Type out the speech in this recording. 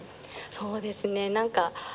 そうですね何かうん。